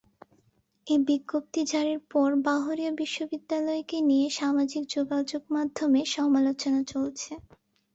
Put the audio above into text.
এ বিজ্ঞপ্তি জারির পর বাহরিয়া বিশ্ববিদ্যালয়কে নিয়ে সামাজিক যোগাযোগমাধ্যমে সমালোচনা চলছে।